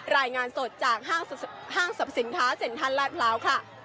รายงานสดจากห้างสรรพสินค้าเซ็นทรัลลาดพร้าวค่ะ